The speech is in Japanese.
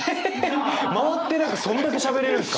回ってなくてそんだけしゃべれるんですか？